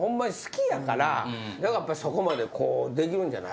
そこまでこうできるんじゃない？